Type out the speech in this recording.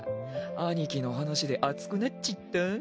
兄貴の話で熱くなっちった？